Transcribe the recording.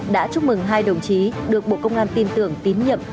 đã chúc mừng hai đồng chí được bộ công an tin tưởng tín nhiệm